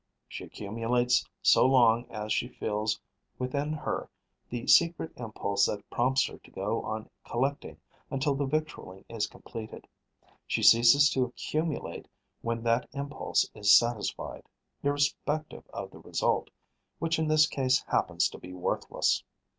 She accumulates so long as she feels within her the secret impulse that prompts her to go on collecting until the victualling is completed; she ceases to accumulate when that impulse is satisfied, irrespective of the result, which in this case happens to be worthless.